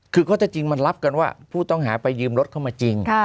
คือข้อเท็จจริงมันรับกันว่าผู้ต้องหาไปยืมรถเข้ามาจริง